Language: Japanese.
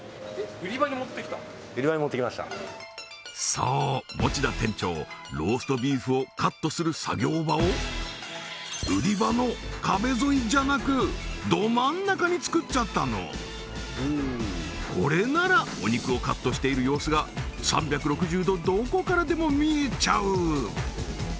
そう持田店長ローストビーフをカットする作業場を売り場の壁沿いじゃなくど真ん中に作っちゃったのこれならお肉をカットしている様子が３６０度どこからでも見えちゃう